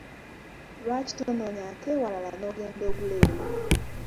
Lwaki tonoonyaako ewalala n’ogenda ogula eyo?